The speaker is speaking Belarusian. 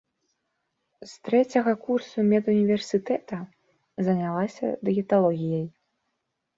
З трэцяга курсу медуніверсітэта занялася дыеталогіяй.